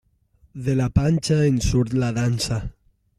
De la panxa en surt la dansa.